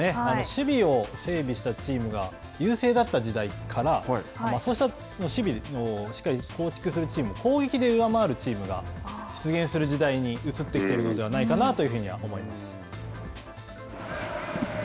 守備を整備したチームが優勢だった時代から守備をしっかり構築するチーム攻撃で上回るチームが出現する時代に移ってきているのではないかなというふうには思います。